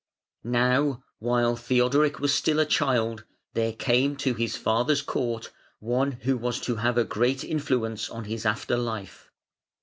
Now, while Theodoric was still a child there came to his father's court one who was to have a great influence on his after life.